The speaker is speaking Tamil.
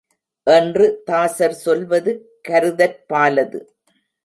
என்று தாசர் சொல்வது கருதற்பாலது.